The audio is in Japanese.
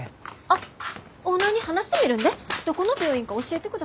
あっオーナーに話してみるんでどこの病院か教えてください。